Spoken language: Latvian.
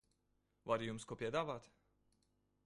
Varu jums ko piedāvāt?